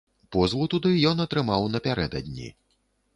Позву туды ён атрымаў напярэдадні.